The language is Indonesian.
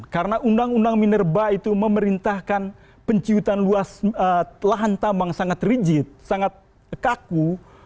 karena undang undang minerba itu memerintahkan penciutan luas lahan tambang sangat rigid sangat kaku